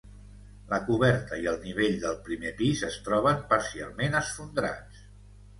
La coberta i el nivell del primer pis es troben parcialment esfondrats.